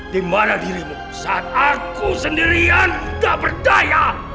dimana dirimu saat aku sendirian gak berdaya